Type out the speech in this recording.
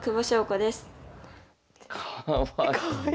かわいい。